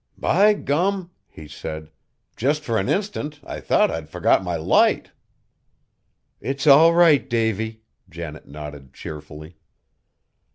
"By gum!" he said, "jest fur an instint I thought I'd forgot my Light!" "It's all right, Davy," Janet nodded cheerfully.